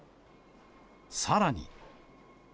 さらに。